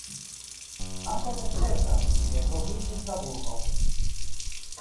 Ankaŭ ne certas, kie troviĝis la burgon.